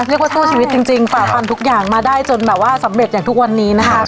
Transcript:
เรียกว่าสู้ชีวิตจริงฝ่าฟันทุกอย่างมาได้จนแบบว่าสำเร็จอย่างทุกวันนี้นะคะ